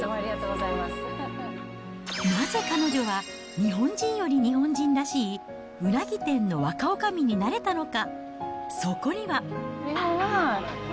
なぜ彼女は、日本人より日本人らしいうなぎ店の若おかみになれたのか。